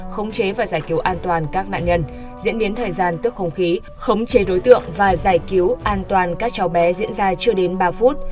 khống chế và giải cứu an toàn các nạn nhân diễn biến thời gian tức không khí khống chế đối tượng và giải cứu an toàn các cháu bé diễn ra chưa đến ba phút